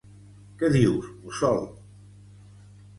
Què dius mussol!